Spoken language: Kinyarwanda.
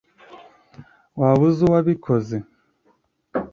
waba uzi uwabikoze